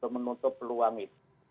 menutup peluang itu